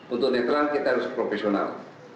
untuk netral kita harus profesional